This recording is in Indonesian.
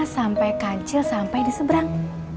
sampai kancil sampai diseberang